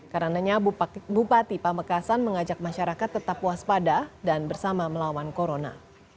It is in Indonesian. karenanya bupati pamekasan mengajak masyarakat tetap waspada dan bersama melawan corona